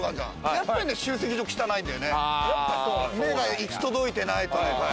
目が行き届いてないというか。